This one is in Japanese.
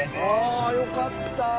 よかった。